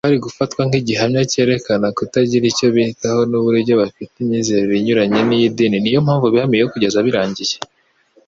kwari gufatwa nk'igihamya cyerekana kutagira icyo bitaho n'uburyo bafite imyizerere inyuranye n'iy'idini; ni yo mpamvu bihamiyeyo kugeza birangiye